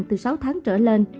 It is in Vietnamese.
từ sáu tháng trở lên